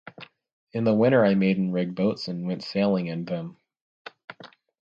In the winter I made and rigged boats and went sailing in them.